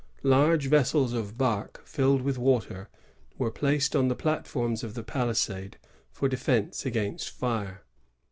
Large vessels of bark filled with water were placed on the platforms of the palisade for defence against fire.